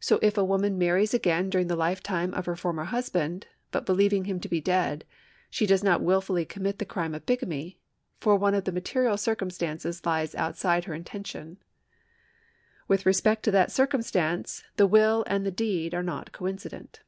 So if a woman marries again during the lifetime of her former husband, but believing him to be dead, she does not wilfully commit the crime of bigamy, for one of the material circum stances lies outside her intention. With respect to that circumstance the will and the deed are not coincident.